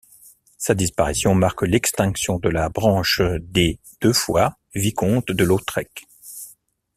Sa disparition marque l'extinction de la branche des de Foix vicomtes de Lautrec.